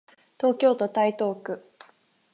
東京都台東区